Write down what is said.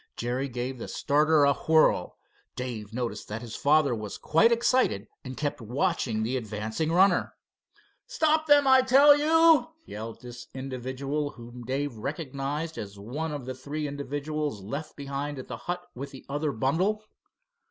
Jerry gave the starter a whirl. Dave noticed that his father was quite excited and kept watching the advancing runner. "Stop them, I tell you!" yelled this individual whom Dave recognized as one of the three individuals left behind at the hut with the other bundle.